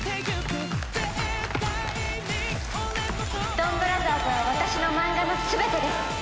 ドンブラザーズは私のマンガの全てです。